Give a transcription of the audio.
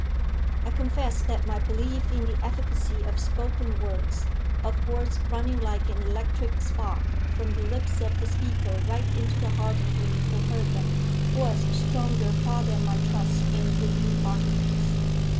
I confess that my belief in the efficacy of spoken words, of words running like an electric spark from the lips of the speaker right into the heart of him who heard them, was stronger far than my trust in written arguments.